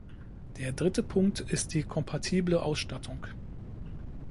Der dritte Punkt ist die kompatible Ausstattung.